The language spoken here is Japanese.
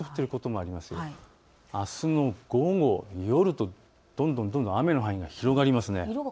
あすの午後、夜とどんどん雨の範囲が広がります。